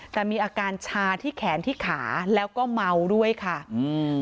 แต่มีอาการชาที่แขนที่ขาแล้วก็เมาด้วยค่ะอืม